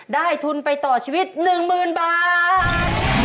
ได้ทุนไปต่อชีวิต๑หมื่นบาท